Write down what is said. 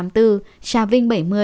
trà vinh bảy mươi